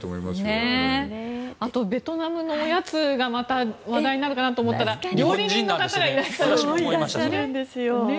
あとベトナムのおやつがまた話題になるかなと思ったらいらっしゃるんですよ。